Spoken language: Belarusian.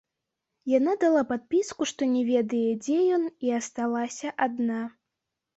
Яна дала падпіску, што не ведае, дзе ён, і асталася адна.